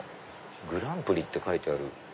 グランプリって書いてある。